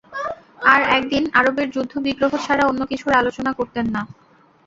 আর একদিন আরবের যুদ্ধ-বিগ্রহ ছাড়া অন্য কিছুর আলোচনা করতেন না।